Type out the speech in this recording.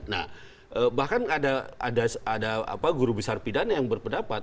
nah bahkan ada guru besar pidana yang berpendapat